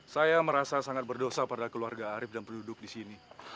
saya merasa sangat berdosa pada keluarga arief dan penduduk di sini